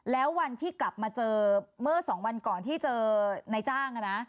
แล้ววันที่กลับมาเจอเมื่อ๒วันก่อนที่เจอนายจ้างนะ